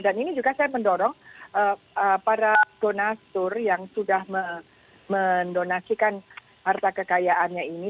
dan ini juga saya mendorong para donatur yang sudah mendonasikan harta kekayaannya ini